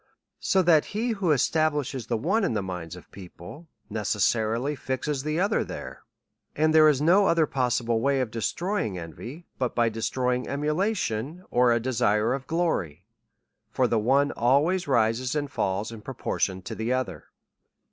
So that he who establishes the one in the minds of people, necessarily fixes the other there. And there is no other possible way of destroying envy, but by destroying emulation, or a desire of glory. For the one always rises and falls in proportion to the other.